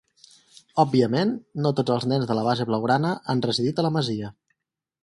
Òbviament, no tots els nens de la base blaugrana han residit a la Masia.